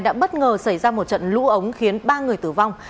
đã bất ngờ xảy ra một trận lũ ống khiến ba người tử vong